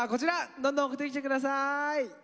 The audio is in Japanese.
どんどん送ってきて下さい。